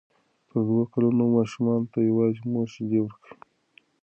تر دوو کلونو ماشومانو ته یوازې مور شیدې ورکړئ.